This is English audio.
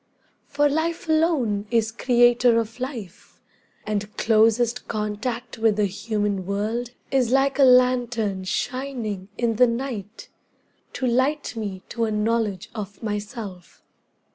For life alone is creator of life, And closest contact with the human world Is like a lantern shining in the night To light me to a knowledge of myself.